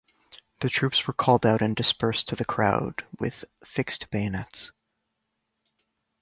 Troops were called out and dispersed the crowd with fixed bayonets.